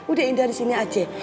udah indah disini aja